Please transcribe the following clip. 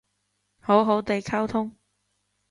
好好哋溝通